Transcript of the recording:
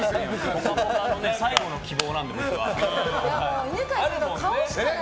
「ぽかぽか」の最後の希望なので僕は。